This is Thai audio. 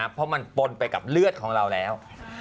เพราะมันปนไปกับเลือดของเราแล้ว